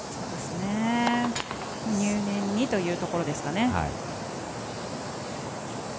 入念にというところですね。